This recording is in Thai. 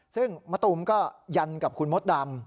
ซึ่งมะตูมก็ยันกับคุณมดดำ